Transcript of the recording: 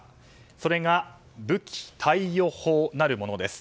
それが、武器貸与法なるものです。